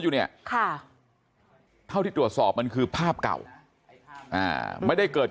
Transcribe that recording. อยู่เนี่ยค่ะเท่าที่ตรวจสอบมันคือภาพเก่าไม่ได้เกิด